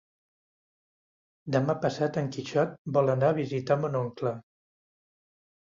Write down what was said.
Demà passat en Quixot vol anar a visitar mon oncle.